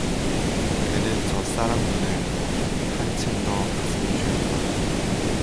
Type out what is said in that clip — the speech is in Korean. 그는 저 싸락눈을 보니 한층더 가슴이 죄어들었다.